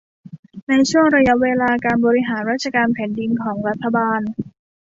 ในช่วงระยะเวลาการบริหารราชการแผ่นดินของรัฐบาล